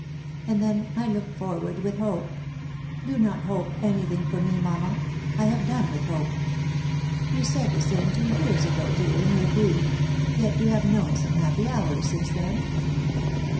And then I look forward with hope "" Do not hope anything for me, mamma ; I have done with hope." " Ton said the same two years ago, dear, in your grief; yet you have known some happy hours since then."